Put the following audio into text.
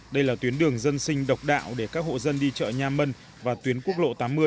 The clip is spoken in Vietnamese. đây là tuyến đường dân sinh độc đạo để các hộ dân đi chợ nha mân và tuyến quốc lộ tám mươi